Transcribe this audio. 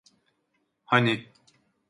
Hani…